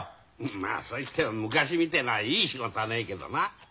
まあそう言っても昔みてえないい仕事はねえけどな。